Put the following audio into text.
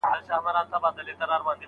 زه د هر شي دپاره شپه نه روڼوم .